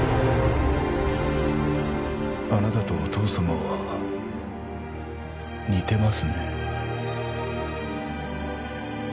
あなたとお父様は似てますね